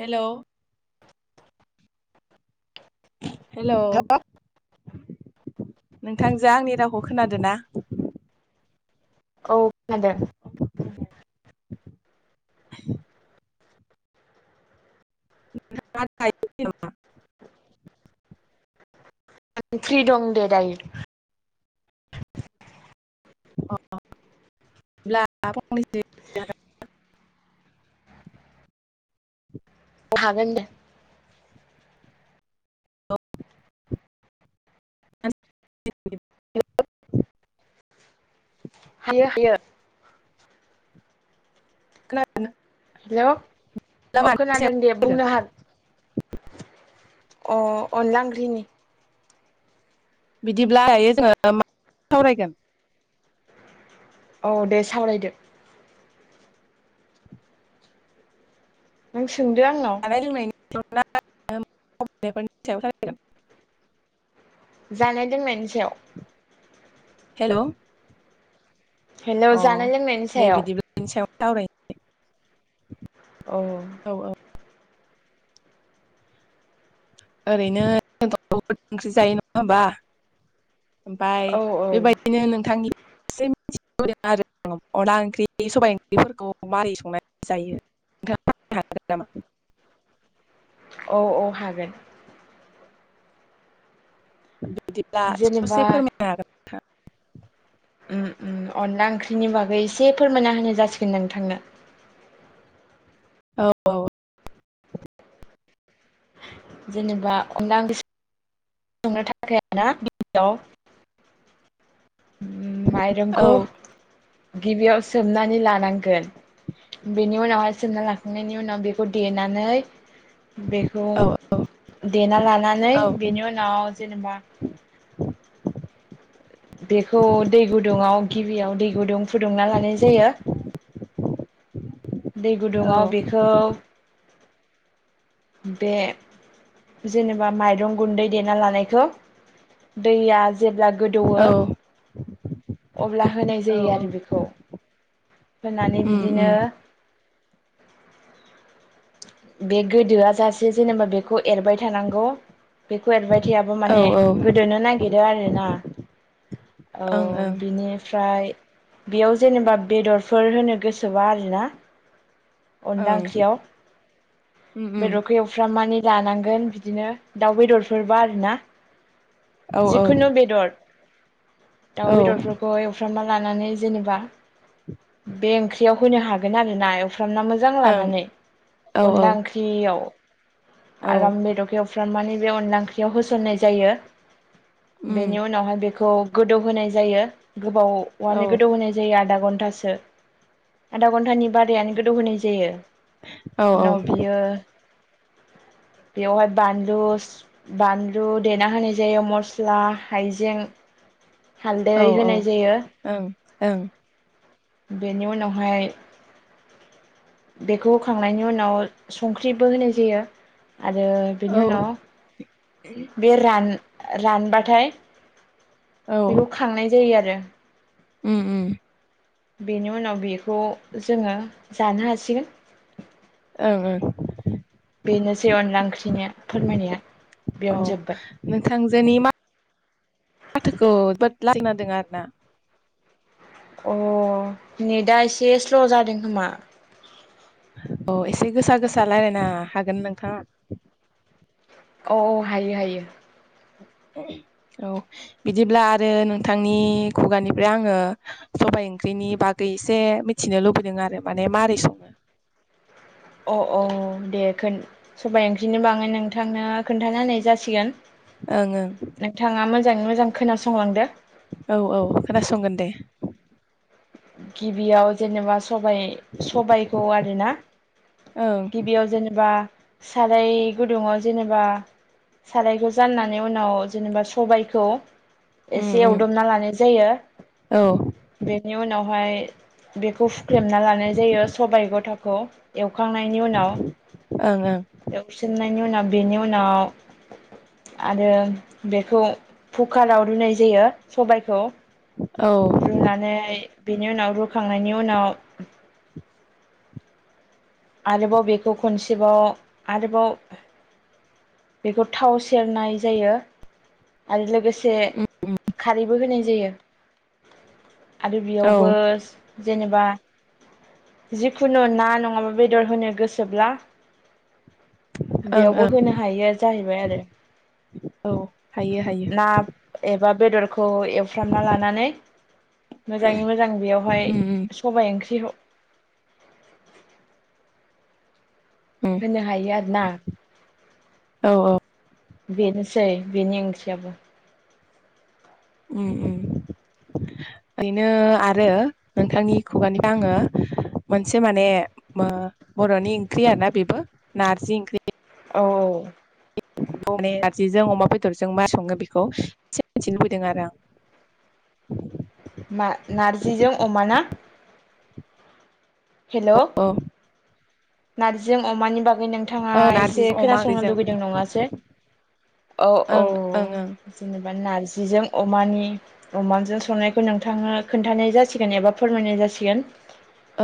हेल' hello नोंथांजो आंनि रावखौ खोनादों ना? औदे [inaudible] [inaudible] आं फ्रि दं दे दायो अ होन [inaudible] [inaudible] हागोन दे [unintelligible] हायो हायो खोनादोंना हेल' अ खोनादों दे बुंनो हागोन अ अनला बिदिब्ला दायो जोङो माखौ सावरायगोन? औ दे सावरायदो नों सोंदो आंनाव [unintelligible] जानाय लोंननायनि सायाव हेल' हेल' अ जानाय लोंनायनि दे सायाव बिदिब्ला बिनि सायाव सावरायनोसै औ औ ओरैनो ओंख्रि जायो नङा होमबा ओमफाय औ बेबायदिनो नोंथांनि एसे आरो अनदला ओंख्रि सबाय ओंख्रिफोरखौ मारै संनानै जायो नोंथाङा फोरमायनो हागोन नामा? औ औ हागोन बिदिब्ला जेनेबा ससे फोरमायनो हागोन नोंथां ओम ओम अनला ओंख्रिनि बागै एसे फोरमायना होनाय जासिगोन नोंथांनो औ औ जेनेबा अनला सं नो थाखा आरोना गिबियाव ओम औ माइरंखौ गिबियाव सोमनानै लानांगोन बेनि उनावहाय सोमना लाखांनायनि उनाव बेखौ देनानै बेखौ औ देना लानानै औ बेनि उनाव जेनेबा [inaudible] बेखौ दै गुदुङाव गिबियाव दै गुदुं फुदुंना लानाय जायो दै गुदुङाव बेखौ बे जेनेबा माइरं गुन्दै देना लानायखौ दैया जेब्ला गोदौवो औ अब्ला होनाय जायो औ आरो बेखौ होनानै उम बिदिनो उम बे गोदोआ जासे जेनेबा बेखौ एरबाय थानांगौ बेखौ एरबाय थायाबा औ माने औ ओं गोदोनो नागिरो आरो ना ओ बिनि ओमफ्राय बेयाव जेनेबा बेदरफोर होनो गोसोबा आरोना अनला ओंख्रियाव बेदरखै एफ्रामानि जानांगोन बिदिनो दाउ बेदरफोरबा आरोना जिखुनु बेदर दाउ ओं बेदरफोरखौहाय एफ्रामना लानानै जेनेबा बे ओंख्रिआव होनो हागोन आरो ना एउ फ्रामना मोजां उम लानानै औ ओं औ अनला ओंख्रियाव औ आराम बेदरखौ एउ फ्रामनानै बे अनला ओंख्रियाव होसननाय जायो। उम बेनि उनावहाय बेखौ गोदौ होनाय जायो औ गोबावआनो गोदौ होनाय जायो आदा घन्टासो आदा घन्टानि बादायानो गोदौ होनाय जायो औ उनाव बियो [inaudible] बेवहाय बानलु बानलु देना होनाय जायो मस्ला हाइजें [inaudible] हालदै ओं औ होनाय जायो उम ओं बेनि उनावहाय बेखौ होखांनायनि उनाव संख्रिबो होनाय जायो आरो बेनि उनाव बे रान रानबाथाय बेखौ खांनाय जायो आरो उम उम बेनि उनाव बेखौ जोङो जानो हासिगोन औ-औ बेनोसै अनला ओंख्रिनिया फोरमायनाया अ बेयावनो जोब्बाय नोंथांजोनि मा जोबोद [unintelligible] आरोना अ नेटआ एसे स्ल' जादों खोमा अ एसे गोसा गोसा रायलायनो हागोन नोंथाङा औ-औ हायो हायो औ बिदिब्ला आरो नोंथांनि खुगानिफ्राय आङो सबाय ओंख्रिनि बागै एसे मिथिनो लुबैदों आरो माने मारै सङो अ-अ दे सबाय ओंख्रिनि बागै नोंथांनो खोन्थाना होनाय जासिगोन ओं नोंथाङा मोजाङै मोजां खोनासंलांदो औ-औ खोनासंगोन दे गिबियाव जेनेबा सबाय-सबायखौ आरोना ओं गिबियाव जेनेबा साराय गुदुङाव जेनेबा सारायखौ जाननानै उनाव जेनेबा सबायखौ उम एसे उम एवदबना लानाय जायो औ बेनि उनावहाय बेखौ हुख्लेमना लानाय जायो सबाय गथाखौ एउ एवखांनायनि उनाव ओं ओं एवसिननायनि उनाव बेनि उनाव आरो बेखौ कुकाराव रुनाय जायो सबायखौ औ रुनानै बेनि उनाव रुखांनायनि उनाव आरोबाव बेखौ खनसेबाव आरोबाव बेखौ थाव सेरनाय जायो आरो लोगोसे से उम खारैबो होनाय जायो आरो औ बेयावबो ओं जेनेबा जिखुनु ना नङाबा बेदर होनो गोसोब्ला बेयावबो ओं होनो हायो जाहैबाय आरो औ हायो हायो ना एबा खौ एवफ्रामना लानानै मोजाङै मोजां बेवहाय उम उम सबाय ओंख्रि उम होनो हायो आरोना औ औ बेनोसै बेनि ओंख्रिआबो उम उम ओरैनो आरो नोंथांनि खुगानिबो आङो मोनसे माने ओ बर'नि ओंख्रि आरोना बेबो नारजि ओंख्रि औ बेखौ माने नारजिजों अमा बेदरजों मारै सङो बेखौ एसे मिथिनो लुबैदों आरो आं [inaudible] ना नारजिजों अमाना हेल' औ नारजि अमानि बाग गै नोंथाङा औ एसे नारजिजों अमा खोनासंनो ओंख्रिजों लुुबैदों नङासो औ-औ ओं ओं ओं बिदिनो बा नारजिजों अमानि अमाजों संनायखौ नोंथाङनो खोन्थानाय जासिगोन एबा फोरमायनाय जा जासिगोन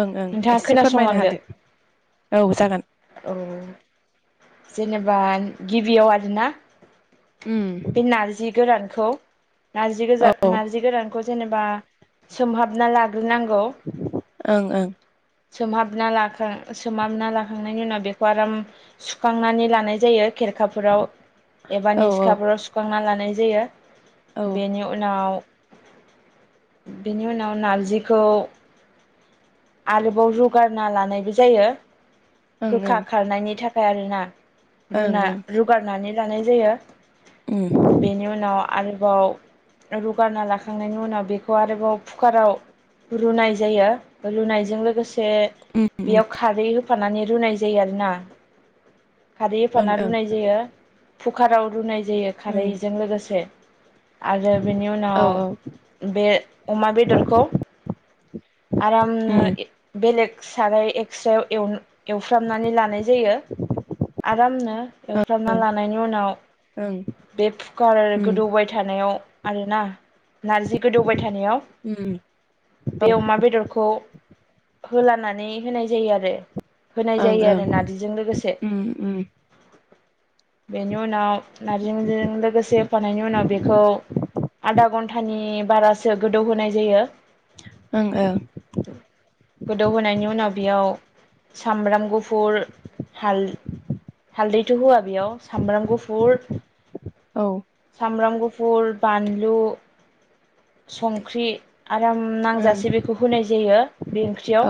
ओं ओं नोंथाङा एसे फोरमायना खोनासंलांदो होदो औ जागोन औ जेनो बा गिबियाव आरोना बे उम नारजि गोरानखौ नारजि औ गोजान औ नार्जि गोरानखौ जेनेबा सोमहाबना ला गोर नांगौ ओं ओं सोमहाबना लाखां सोमहाबना लाखांनायनि उनाव बेखौ आराम सुखांनानै लानाय जायो खेरखाफोराव एबा औ निसिखाफोराव सुखांना लानाय जायो औ ओं बेनि उनाव बेनि उनाव नारजिखौ आरोबाव रुगारना लानायबो जायो गोखा ओं खारनायनि थाखाय आरोना ओं रुना ओं रुगारनानै लानाय जायो उम बेनि उनाव आरोबाव रुगारना लाखांनायनि उनाव बेखौ आरोबाव कुकाराव रुनाय जायो रुनाय बेजों लोगोसे उम उम बेयाव खारै होफानानै रुनाय जायो आरोना खारै ओं होफाना ओं रुनाय जायो कुकाराव रुनाय जायो उम खारैजों लोगोसे आरो बेनि औ उनाव बे अमा बेदरखौ आराम नो उम बेलेग साराय एक्स्रेायाव एव एवफ्रामनानै लानाय जायो आरामनो एवफ्रामना लानायनि उनाव ओं बे कुकार आरो उम गोदौबाय थानायाव आरोना नारजि गोदौबाय थानायाव उम औ बे अमा बेदरखौ होलानानै होनाय जायो आरो होनाय जायो ओं ओं आरो नार्जिजों लोगोसे उम उम बेनि उनाव नारजिजों लोगोसे होफानायनि उनाव बेखौ आधा घन्टानि बारासो गोदौ होनाय जायो ओं ओं गोदौहोनायनि उनाव बेयाव सामब्राम गुफुर हाल हालदैथ' होआ बेयाव सामब्राम गुफुर सामब्राम गु फुुर बानलु संख्रि आराम नांजासे बेखौ होनाय जायो बे ओं ओंख्रियाव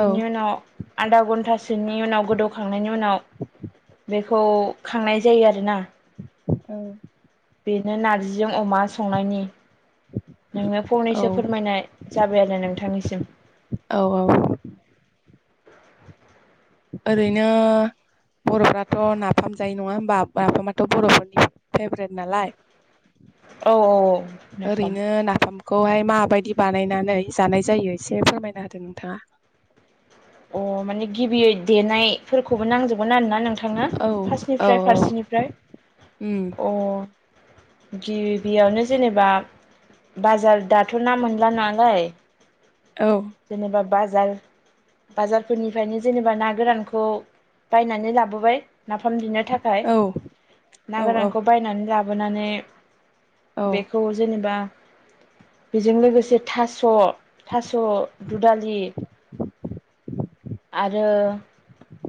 ओं औ ओं बेनि उनाव आधा घन्टासोनि उनाव गोदौखांनायनि उनाव बे खौ खांनाय जायो आरोना औ बेनो नारजिजों अमा संनायनि नोङो औ फंनैसो फोरमायनाय जाबाय आरो नोंथांनिसिम औ औ ओरैनो बर'फ्राथ' नाफाम जायो नङा होमबा नाफामाथ' बर'फोरनि फेभ्रेट नालाय औ औ नाफाम ओरैनो नाफामखौहाय मा बायदि बानायनानै जानाय जायो एसे फोरमायना होदो नोंथाङा अ माने गिबियै देनायफोरखौबो नांजोब गोन आरोना नोंथां ना औ औ फार्स्टनिफ्राय औ फारसेनिफ्राय उम अ गिबियावनो जेनेबा बाजार दा थ' ना मोनला नालाय औ जेनेबा बाजार बाजारफोरनिफ्रायनो जेनेबा ना गोरानखौ बायनानै लाबोबाय नाफाम दिनो थाखाय औ ना औ गोरानखौ बायनानै लाबोनानै औ बेखौ जेनेबा बेजों लोगोसे थास' थास' दुदालि आरो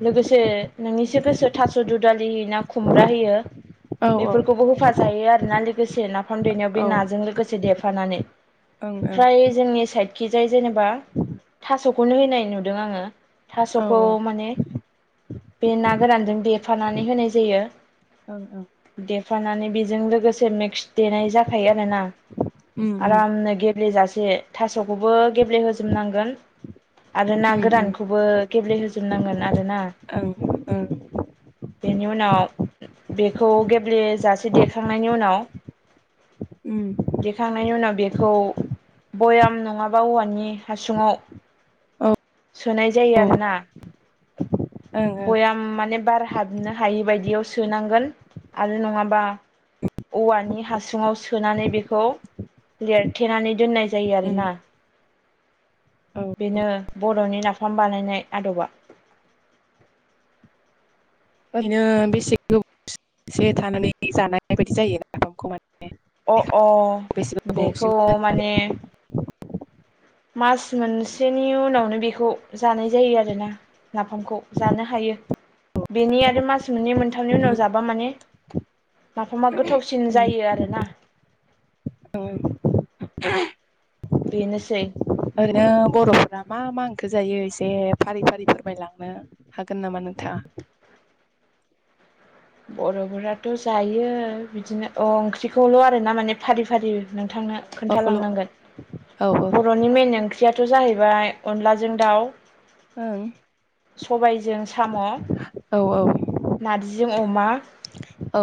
लोगोसे नोंनिसो गोसो थास' दु दालि होयो ना खुमब्रा होयो। औ औ बेफोरखौबो होफा जायो आरोना लोगोसे नाफाम देनायाव बे ओं नाजों लोगोसे देफानानै। ओं फ्राय जोंनि साइदखिजाय जेनेबा थास'खौनो होनाय नुदों आङो। औ थास'खौ माने बे ना गोरानजों देफानानै होनाय जायो। औ औ सुफानानै बेजों लोगोसे मिक्स देनाय जाखायो आरो ना उम उम आरामनो गे गेब्लेेजासे थास'खौबो गेब्लेहोजोबनांगोन आरो ना उम गोरानखौ खौबो गेब्लेहोजोबनांगोन आरोना। उम ओं [unintelligible] बेनि उनाव बेखौ गेब्लेजासे देखांनायनि उनाव उम दिेखांनायनि उनाव बेखौ भयाम नङाबा औवानि हासुङाव औ सोनाय जायो आरोना। ओं ओं बयाम माने बार हाबनो हायि बायदियाव सोनांगोन आरो नङाबा औवानि हासुङाव सोनानै बेखौ लेरथेनानै दोननाय जायो उम आरोना। औ बेनो बर'नि नाफाम बानायनाय आदबा ओरैनो बेसे गोबसे थानानै जानाय बायदि जायो नाफामखौ माने अ अ बेसे गोबावसिम बेखौ दोननानै माने मास मोनसेनि उनावनो बेखौ जानाय जायो आरोना। नाफामखौ जानो हायो बेनि आरो मास मोननै मोनथामनि उम उनाव जाबा माने माफामा गोथावसिन जायो आरोना। औ बेनोसै ओरैनो बर'फोरा मा मा ओंखो जायो एसे फारि फारि फोरमायलांनो हागोन नामा नोंथां? था बर'फोराथ' जायो बिदिनो अ ओंख्रिखौल' आरोना माने फारि फारि नोंथांनो बेखौल' औ खोन्थालांनांगोन औ बर'नि मेन ओंख्रि याथ' जाहैबाय अनलाजों दाउ। ओं सबायजों साम' औ नार्जिजों अमा। औ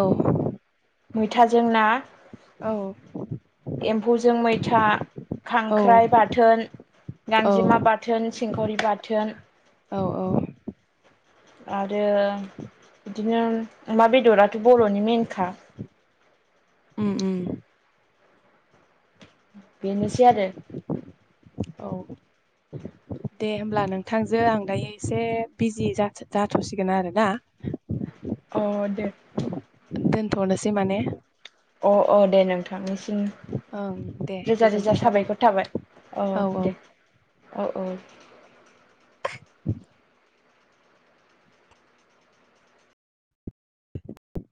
मैथाजों ना एम्फौजों मैथा औ खांख्राइ बाथोन। औ गांजेमा बाथोन सिंखाउरि बाथोन। अ आरो बिदिनो अमा बेदराथ' बर'नि मेनखा ओम ओम। बेनोसै आरो। औ [inaudible] दे होमब्ला नोंथांजो आं दायो एसे बिजि जाथ'सिगोन आरोना। अ दे दोनथ'नोसै माने-? अ अ दे नोंथांनिम ओं दे रोजा रोजा गोजोननाय साबायखर थाबाय अ औ औ दे औ औ। [inaudible]